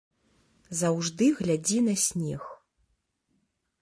Заўжды глядзі на снег.